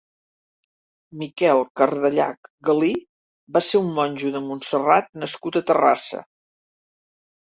Miquel Cardellach Galí va ser un monjo de Montserrat nascut a Terrassa.